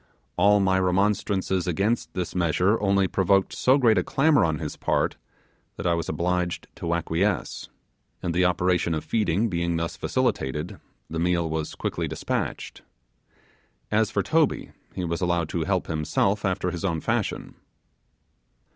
All my remonstrances against this measure only provoked so great a clamour on his part, that I was obliged to acquiesce; and the operation of feeding being thus facilitated, the meal was quickly despatched. As for Toby, he was allowed to help himself after his own fashion.